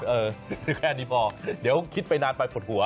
เออแค่นี้พอเดี๋ยวคิดไปนานไปปวดหัว